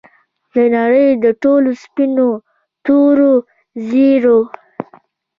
د نړۍ د ټولو سپینو، تورو، زیړو